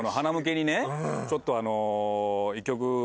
ちょっとあの。